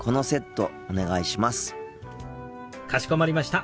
かしこまりました。